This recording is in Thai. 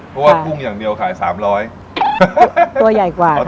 เพราะว่ากุ้งอย่างเดียวขาย๓๐๐ตัวใหญ่กว่า